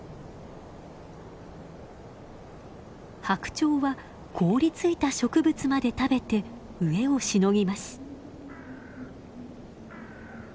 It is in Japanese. ハクチョウは凍りついた植物まで食べて飢えをしのぎます。